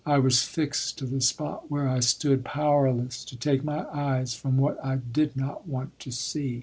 I was fixed to the spot where I stood, powerless to take my eyes from what I did not want to see.